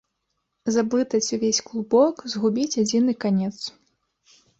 Заблытаць увесь клубок, згубіць адзіны канец.